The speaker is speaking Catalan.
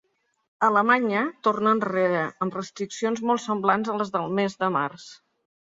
Alemanya torna enrere, amb restriccions molt semblants a les del mes de març.